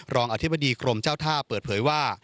รองอธิบดีกรมเจ้าท่าเปิดเผยว่า